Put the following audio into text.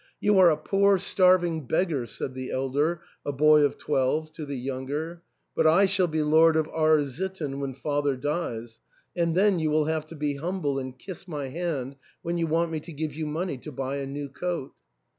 " You are a poor starving beggar !" said the elder, a boy of twelve, to the younger, "but I shall be lord of R — sitten when father dies, and then you will have to be humble and kiss my hand when you want me to give you money to buy a new coat."